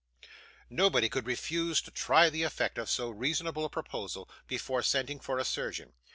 Nobody could refuse to try the effect of so reasonable a proposal, before sending for a surgeon.